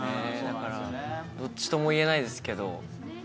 だからどっちとも言えないですけど。